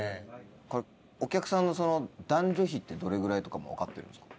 これお客さんの男女比ってどれぐらいとかもわかってるんですか？